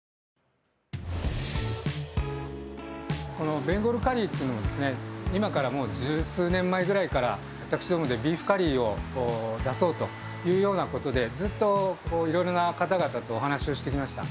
ベンゴールカリーというのは今から十数年くらい前から私どもでビーフカリーを出そうというようなことでずっといろいろな方々とお話をしてきました。